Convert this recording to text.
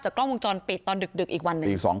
กล้องวงจรปิดตอนดึกอีกวันหนึ่ง